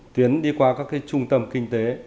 tuyến đi qua các trung tâm kinh tế